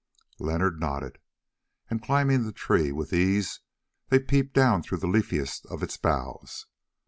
Leonard nodded, and climbing the tree with ease, they peeped down through the leafiest of its boughs.